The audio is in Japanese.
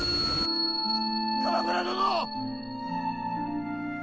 鎌倉殿！